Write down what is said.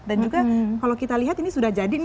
dan juga kalau kita lihat ini sudah jadi